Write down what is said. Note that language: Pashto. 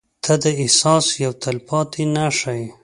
• ته د احساس یوه تلپاتې نښه یې.